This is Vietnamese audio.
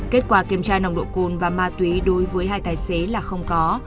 kết quả kiểm tra nồng độ cồn và ma túy đối với hai tài xế là không có